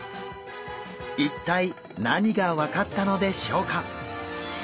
一体何が分かったのでしょうか？